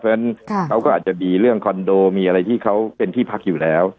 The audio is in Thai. เพราะฉะนั้นเขาก็อาจจะดีเรื่องคอนโดมีอะไรที่เขาเป็นที่พักอยู่แล้ว